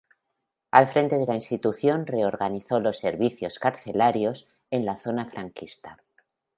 Al frente de la institución reorganizó los servicios carcelarios en la zona franquista.